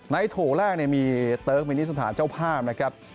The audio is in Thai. ในโถแรกมีเติร์กมินิสถานเจ้าภาพ